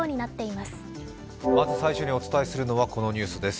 まず最初にお伝えするのはこのニュースです。